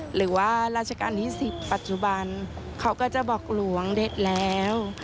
หรือว่าราชการนิสิตปัจจุบันเขาก็จะบอกหลวงเด็ดแล้ว